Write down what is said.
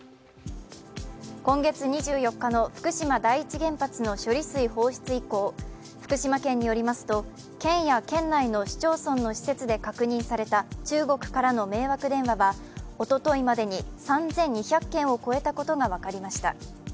今月２４日の福島第一原発の処理水放出以降福島県によりますと県や県内の市町村の施設で確認された中国からの迷惑電話は、おとといまでに３２００件を超えたことが分かりました。